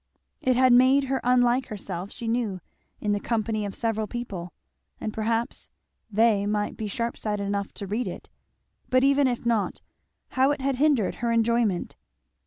It had made her unlike herself, she knew, in the company of several people. And perhaps they might be sharp sighted enough to read it! but even if not, how it had hindered her enjoyment.